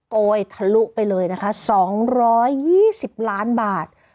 โกยทะลุไปเลยนะคะ๒๒๐ล้านบาท